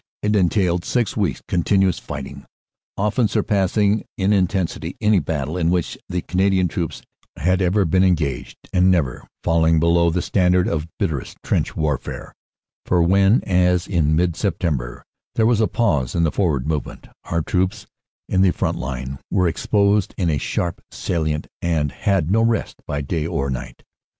It entailed six weeks continuous righting, often surpassing in intensity any battle in which Canadian troops had ever been engaged, and never falling below the standard of bitterest trench warfare; for when, as in mid September, there was a pause in the forward movement, our troops in the front line were exposed in a sharp salient and had no rest by day or night.